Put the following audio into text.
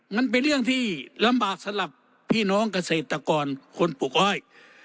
มันเป็นเรื่องที่ลำบากสำหรับพี่น้องเกษตรกรคนปลูกอ้อย